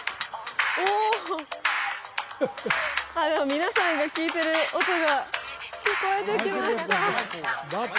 皆さんが聴いてる音が聴こえてきました